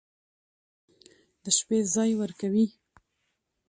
د شپې ځاى وركوي.